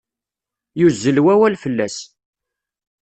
Yuzzel wawal fell-as.